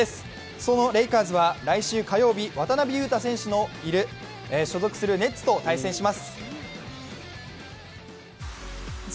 そのレイカーズは来週火曜日、渡邊雄太選手の所属する最新のニュースです。